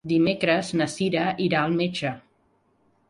Dimecres na Cira irà al metge.